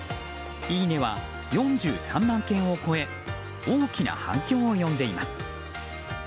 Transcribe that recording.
いいねは４３万件を超え大きな反響を呼んでいます。